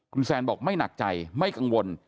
คุณแซนบอกไม่หนักใจไม่กังวล